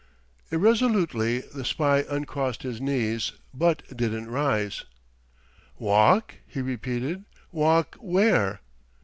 Irresolutely the spy uncrossed his knees, but didn't rise. "Walk?" he repeated, "walk where?"